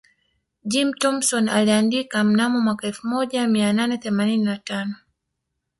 Jim Thompson aliandika mnamo mwaka elfu moja mia nane themanini na tano